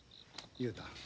雄太